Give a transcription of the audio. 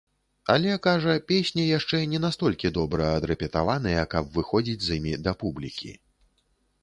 Але, кажа, песні яшчэ не настолькі добра адрэпетаваныя, каб выходзіць з імі да публікі.